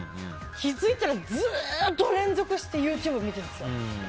気づいたら、ずっと連続してＹｏｕＴｕｂｅ見てるんですよ。